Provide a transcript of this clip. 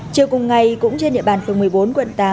chiều cùng ngày cũng trên địa bàn phường một mươi bốn quận tám